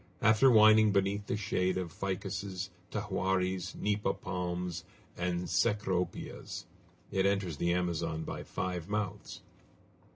After winding beneath the shade of ficuses, tahuaris, nipa palms, and cecropias, it enters the Amazon by five mouths.